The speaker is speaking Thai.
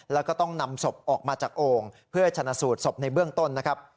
แล้วก็ต้องนำศพออกมาจากโอ่งเพื่อชนะสูตรศพในเบื้องต้นนะครับ